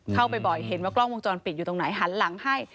เข้าไปบ่อยเห็นว่ากล้องวงจรปิดอยู่ตรงไหนหันหลังให้